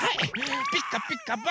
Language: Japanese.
「ピカピカブ！